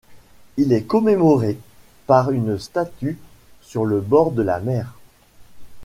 Il est commémoré par une statue sur le bord de la mer.